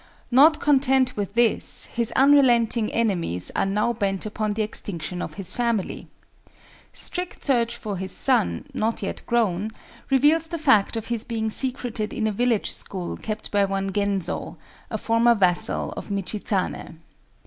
Not content with this, his unrelenting enemies are now bent upon the extinction of his family. Strict search for his son—not yet grown—reveals the fact of his being secreted in a village school kept by one Genzo, a former vassal of Michizané.